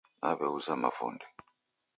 Naweuza mavunde.